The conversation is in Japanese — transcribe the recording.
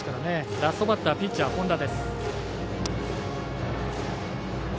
ラストバッターピッチャー、本田です。